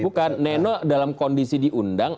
bukan neno dalam kondisi diundang